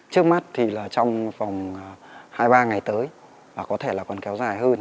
trước mắt thì trong vòng hai ba ngày tới và có thể còn kéo dài hơn